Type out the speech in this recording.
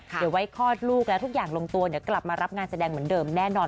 เดี๋ยวไว้คลอดลูกแล้วทุกอย่างลงตัวเดี๋ยวกลับมารับงานแสดงเหมือนเดิมแน่นอน